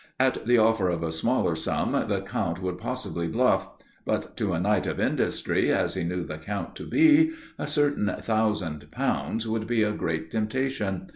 At the offer of a smaller sum the Count would possibly bluff. But to a Knight of Industry, as he knew the Count to be, a certain thousand pounds would be a great temptation.